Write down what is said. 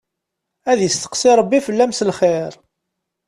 Ad yesteqsi Rebbi fell-am s lxir.